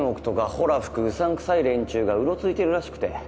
ホラ吹くうさんくさい連中がうろついてるらしくて